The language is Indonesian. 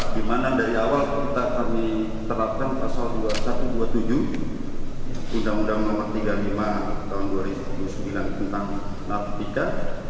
di mana dari awal kita kami terapkan pasal dua ribu satu ratus dua puluh tujuh undang undang no tiga puluh lima tahun dua ribu sembilan tentang narkotika